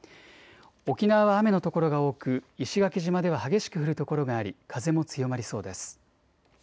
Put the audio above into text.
沖縄は雨の所が多く石垣島では激しく降る所があり風も強まりそうです。